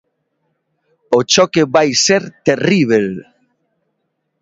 O choque vai ser terríbel.